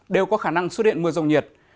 đều có khả năng xuất hiện mưa rồng nhiệt